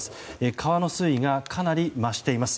川の水位がかなり増しています。